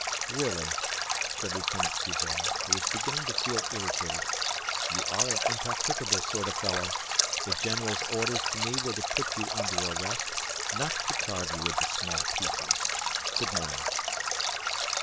"Really," said Lieutenant D'Hubert, who was beginning to feel irritated, "you are an impracticable sort of fellow. The general's orders to me were to put you under arrest, not to carve you into small pieces. Good morning."